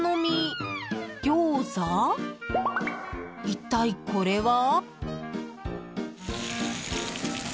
一体これは。